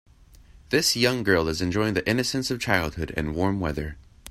This young girl is enjoying the innocence of childhood and warm weather.